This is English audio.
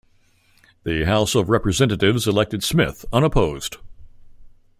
The House of Representatives elected Smith unopposed.